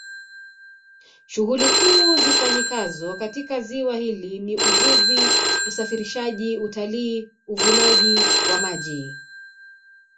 Shughuli kuu zifanyikazo katika ziwa hili ni Uvuvi Usafirishaji Utalii Uvunaji wa maji